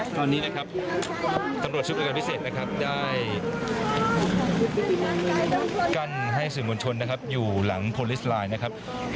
ตอนนี้นะครับตำรวจชุดบริการพิเศษนะครับได้กั้นให้สื่อมวลชนนะครับอยู่หลังโพลิสไลน์นะครับ